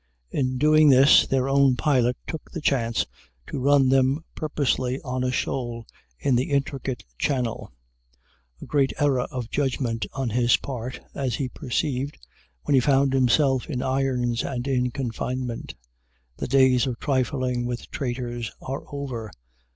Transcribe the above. In doing this their own pilot took the chance to run them purposely on a shoal in the intricate channel. A great error of judgment on his part! as he perceived, when he found himself in irons and in confinement. "The days of trifling with traitors are over!"